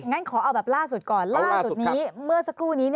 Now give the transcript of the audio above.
งั้นขอเอาแบบล่าสุดก่อนล่าสุดนี้เมื่อสักครู่นี้